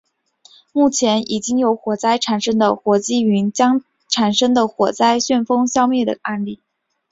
目前已经有火灾产生的火积云将产生它的火灾旋风消灭的例子。